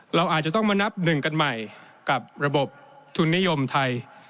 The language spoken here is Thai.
เราอาจจะต้องมานับหนึ่งกันใหม่กับระบบทุนนิยมไทย